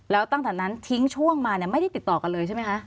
แล้วตั้งแต่นั้นทิ้งช่วงมาเนี่ยไม่ได้ติดต่อกันเลยใช่ไหมคะ